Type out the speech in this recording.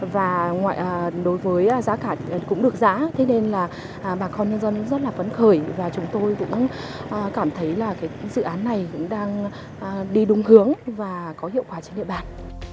và đối với giá cả cũng được giá thế nên là bà con nhân dân rất là phấn khởi và chúng tôi cũng cảm thấy là cái dự án này cũng đang đi đúng hướng và có hiệu quả trên địa bàn